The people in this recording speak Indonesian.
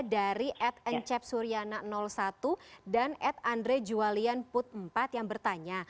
dari ad nchapsuryana satu dan ad andrejualianput empat yang bertanya